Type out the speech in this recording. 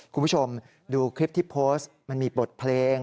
คุณผู้ชมดูคลิปที่โพสต์มันมีบทเพลง